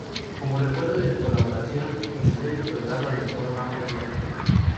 Como recuerdo de su colaboración, el premio otorgado al mejor mapa lleva su nombre.